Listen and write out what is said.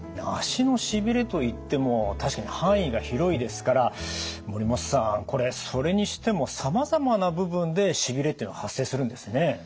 足のしびれといっても確かに範囲が広いですから森本さんこれそれにしてもさまざまな部分でしびれっていうのは発生するんですね。